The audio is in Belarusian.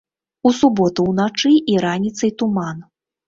У суботу уначы і раніцай туман.